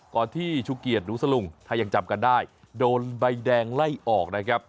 ที่ชูเกียจหนูสลุงถ้ายังจำกันได้โดนใบแดงไล่ออกนะครับ